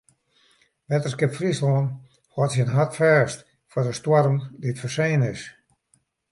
Wetterskip Fryslân hâldt syn hart fêst foar de stoarm dy't foarsein is.